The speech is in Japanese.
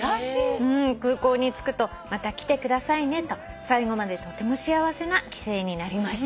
「空港に着くと『また来てくださいね』と最後までとても幸せな帰省になりました」